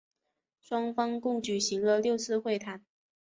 双方共举行了六次会谈。